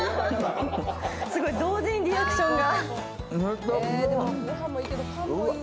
同時にリアクションが。